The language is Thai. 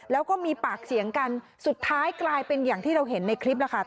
แล้วก็มีปากเสียงกันสุดท้ายกลายเป็นอย่างที่เราเห็นในคลิปล่ะค่ะ